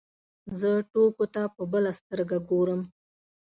زه ټوکو ته په بله سترګه ګورم.